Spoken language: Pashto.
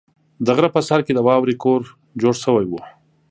د غره په سر کې د واورې کور جوړ شوی و.